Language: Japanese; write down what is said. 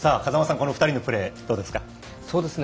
この２人のプレーどうですか？